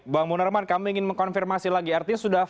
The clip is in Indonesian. bang munarman kami ingin mengkonfirmasi lagi artinya sudah